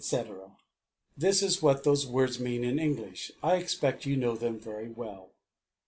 This is what these words mean in English. I expect you know them very well.